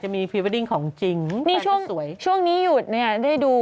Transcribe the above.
มีพรีเวดดิ้งของจริงนี่ช่วงสวยช่วงนี้หยุดเนี่ยได้ดู